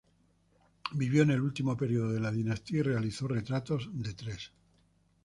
Vivió en el último período de la dinastía y realizó retratos de tres